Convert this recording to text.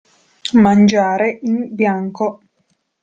Mangiare in bianco.